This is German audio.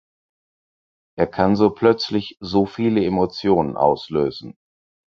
Er kann so plötzlich so viele Emotionen auslösen.